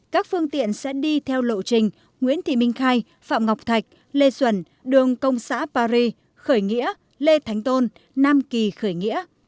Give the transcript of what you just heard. các phương tiện sẽ đi theo lộ trình nguyễn thị minh khai phạm ngọc thạch lê duẩn đường công xã paris khởi nghĩa lê thánh tôn nam kỳ khởi nghĩa